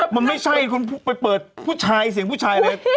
มันไม่ใช่คุณไปเปิดผู้ชายเสียงผู้ชายเลย